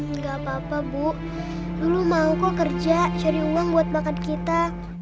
enggak apa apa bu dulu mau kok kerja cari uang buat bakat kita